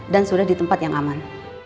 dan sudah di tempat yang aman